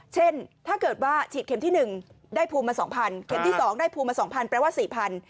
เช่นถ้าเกิดว่าฉีดเข็มที่๑ได้ภูมิมา๒๐๐เข็มที่๒ได้ภูมิมา๒๐๐แปลว่า๔๐๐